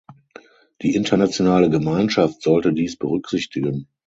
Die internationale Gemeinschaft sollte dies berücksichtigen.